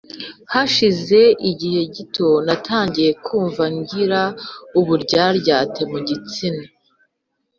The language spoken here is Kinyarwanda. Hashize igihe gito, natangiye kumva ngira uburyaryate mu gitsina.